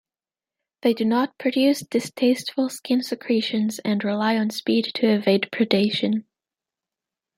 They do not produce distasteful skin secretions and rely on speed to evade predation.